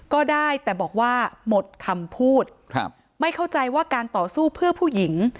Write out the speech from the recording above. ก็ได้แต่บอกว่าหมดคำพูดครับไม่เข้าใจว่าการต่อสู้เพื่อผู้หญิง